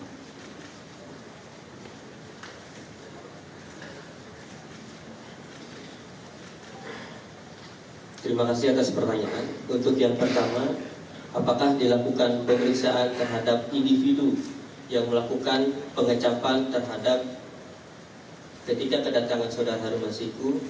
untuk yang pertama apakah dilakukan pemeriksaan terhadap individu yang melakukan pengecapan terhadap ketiga kedatangan saudara harum masiku